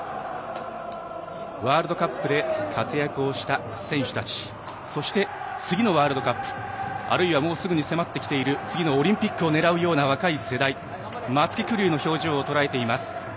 ワールドカップで活躍をした選手たちそして次のワールドカップあるいは、もうすぐに迫ってきている次のオリンピックを狙うような若い世代松木玖生の表情をとらえています。